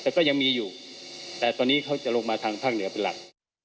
แต่ก็ยังมีอยู่แต่ตอนนี้เขาจะลงมาทางภาคเหนือเป็นหลัก